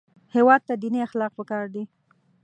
هېواد ته دیني اخلاق پکار دي